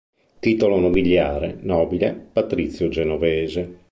Titolo nobiliare: Nobile, Patrizio genovese.